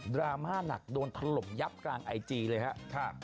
ราม่าหนักโดนถล่มยับกลางไอจีเลยครับ